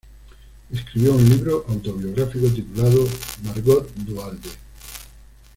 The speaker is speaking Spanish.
Escribió un libro autobiográfico, titulado "Margot Duhalde.